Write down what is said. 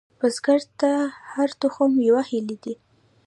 بزګر ته هره تخم یوه هیلې ده